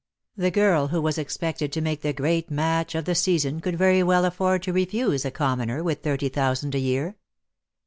The girl who was expected to make the great match of the season could very well afford to refuse a commoner with thirty thousand a year.